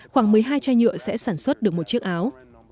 khoảng một mươi hai chai nhựa sẽ sản xuất được một chiếc áo